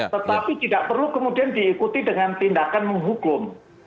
tetapi tidak perlu kemudian diikuti dengan tindakan menghukum